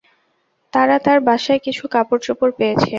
তারা তার বাসায় কিছু কাপড়-চোপড় পেয়েছে।